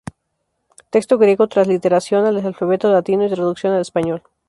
Texto griego, transliteración al alfabeto latino y traducción al español.